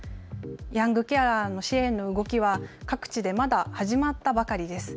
ヤングケアラーの支援の動きは各地でまだ始まったばかりです。